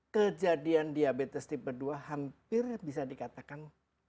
kejadian diabetes tipe dua hampir bisa dikatakan